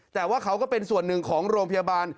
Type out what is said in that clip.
แต่ว่าเขาก็เป็นส่วนหนึ่งของโรงพยาบาล